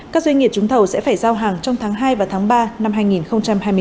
các doanh nghiệp trúng thầu sẽ phải giao hàng trong tháng hai và tháng ba năm hai nghìn hai mươi bốn